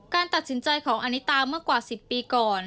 การตัดสินใจของอานิตาเมื่อกว่า๑๐ปีก่อน